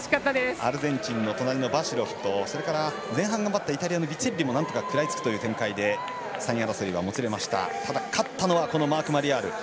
アルゼンチンの隣のバシロフとそれから、前半頑張ったイタリアのビチェッリもなんとか食らいつくという展開で３位争いもつれましたが勝ったのはマーク・マリヤール。